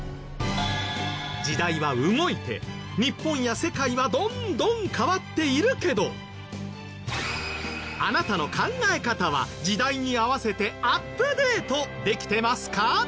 時代は動いて日本や世界はどんどん変わっているけどあなたの考え方は時代に合わせてアップデートできてますか？